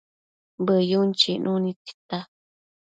Bëyun chicnu nid tita